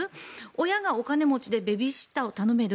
親がお金持ちでベビーシッターを頼める。